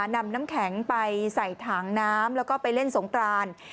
น้ำแข็งไปใส่ถังน้ำแล้วก็ไปเล่นสงกราน